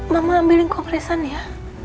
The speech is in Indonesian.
mama ambilin kompresan ya